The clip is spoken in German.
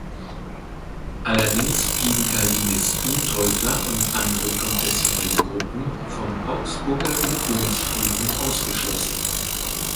Allerdings blieben Calvinisten, Täufer und andere konfessionelle Gruppen vom Augsburger Religionsfrieden ausgeschlossen.